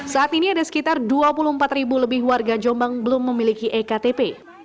saat ini ada sekitar dua puluh empat ribu lebih warga jombang belum memiliki ektp